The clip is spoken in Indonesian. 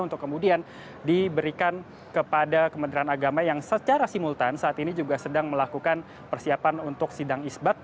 untuk kemudian diberikan kepada kementerian agama yang secara simultan saat ini juga sedang melakukan persiapan untuk sidang isbat